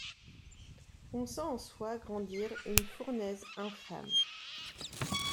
On sent en soi grandir une fournaise infâme